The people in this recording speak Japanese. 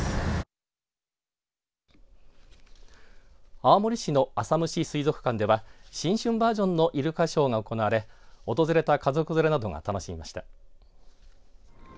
青森市の浅虫水族館では新春バージョンのイルカショーが行われ訪れた家族連れなどが楽しみました。